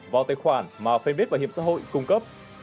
vào tài khoản mà fanpage bảo hiểm xã hội cung cấp